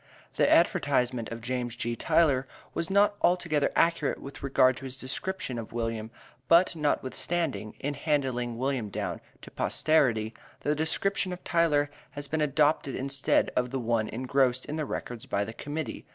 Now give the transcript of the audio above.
The advertisement of James G. Tyler was not altogether accurate with regard to his description of William; but notwithstanding, in handing William down to posterity, the description of Tyler has been adopted instead of the one engrossed in the records by the Committee.